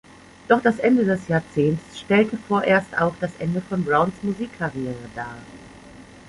Doch das Ende des Jahrzehntes stellte vorerst auch das Ende von Browns Musikkarriere dar.